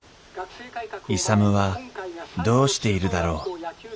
勇はどうしているだろう。